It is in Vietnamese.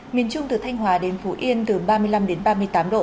miền trung từ thanh hòa đến phú yên từ ba mươi năm ba mươi tám độ